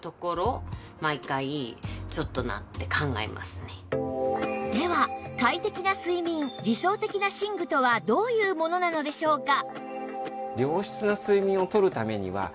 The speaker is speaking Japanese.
うちはでは快適な睡眠理想的な寝具とはどういうものなのでしょうか？